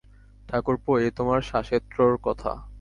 ঠাকুরপো, এ তোমার শাসেত্রর কথা।